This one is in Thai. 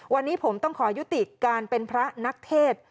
วันนี้ผมต้องขอยุติการเป็นพระนักเทศ